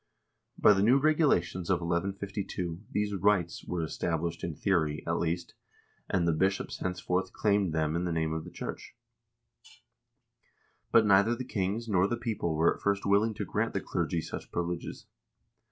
By the new regulations of 1152 these "rights" were established in theory, at least, and the bishops henceforth claimed them in the name of the church. But neither the kings nor the people were at first willing to grant the clergy such privileges.